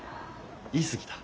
言い過ぎた。